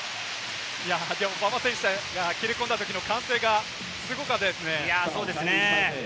馬場選手が切れ込んだときの歓声がすごかったですね。